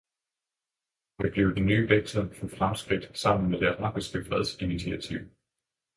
Han kan blive den nye vektor for fremskridt sammen med det arabiske fredsinitiativ.